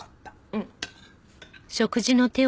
うん。